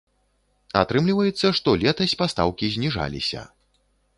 Атрымліваецца, што летась пастаўкі зніжаліся.